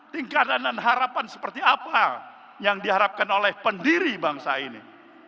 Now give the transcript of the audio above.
tingkatan dan harapan seperti apa yang diharapkan oleh pendiri bangsa ini